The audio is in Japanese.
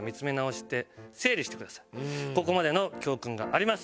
ここまでの教訓があります。